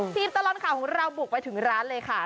ตลอดข่าวของเราบุกไปถึงร้านเลยค่ะ